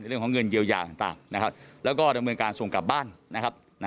เรื่องของเงินเยียวยาต่างนะครับแล้วก็ดำเนินการส่งกลับบ้านนะครับ